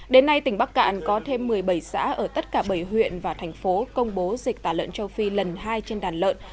đến nay tỉnh bắc cạn có thêm một mươi bảy xã ở tất cả bảy huyện và thành phố công bố dịch tả lợn châu phi lần hai trên đàn lợn